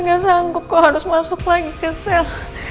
gak sanggup kok harus masuk lagi ke sel